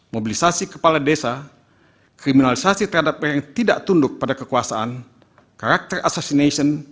mobilisasi kepala desa kriminalisasi terhadap yang tidak tunduk pada kekuasaan karakter assocination